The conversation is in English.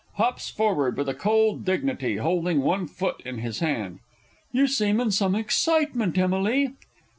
[Hops forward with a cold dignity, holding one foot in his hand. You seem in some excitement, Emily?